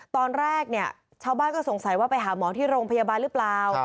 ตอนแรกเนี่ยชาวบ้านก็สงสัยว่าไปหาหมอที่โรงพยาบาลหรือเปล่า